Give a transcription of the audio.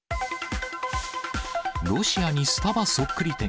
ロシアにスタバそっくり店。